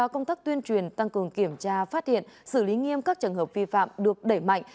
công tác tuyên truyền tăng cường kiểm tra phát hiện xử lý nghiêm các trường hợp vi phạm được đẩy mạnh